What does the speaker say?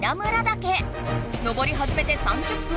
登りはじめて３０分。